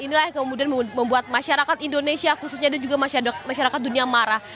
inilah yang kemudian membuat masyarakat indonesia khususnya dan juga masyarakat dunia marah